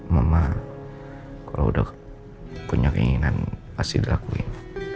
mama kalau udah punya keinginan pasti dilakuin